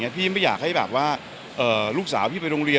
พี่ไม่อยากให้ลูกสาวพี่ไปดรงเรียน